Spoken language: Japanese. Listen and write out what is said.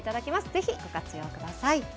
ぜひご活用ください。